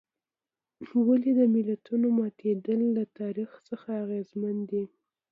ولې د ملتونو ماتېدل له تاریخ څخه اغېزمن دي.